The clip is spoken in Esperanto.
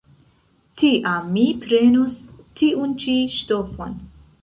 Tiam mi prenos tiun ĉi ŝtofon.